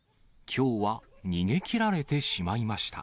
きょうは逃げ切られてしまいました。